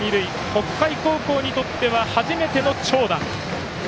北海高校にとっては初めての長打。